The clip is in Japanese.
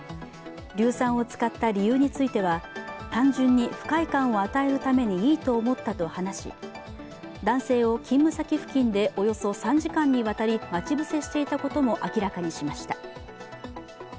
硫酸を使った理由については、単純に不快感を与えるためにいいと思ったと話し男性を勤務先付近でおよそ３時間にわたり待ち伏せしていたことも明らかにしました。